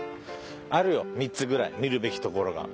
あるよ３つぐらい見るべきところが。